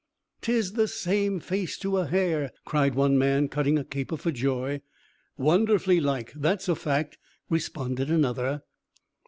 "'Tis the same face, to a hair!" cried one man, cutting a caper for joy. "Wonderfully like, that's a fact!" responded another.